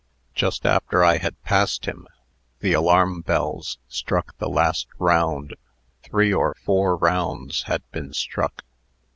Just after I had passed him, the alarm bells struck the last round. Three or four rounds had been struck."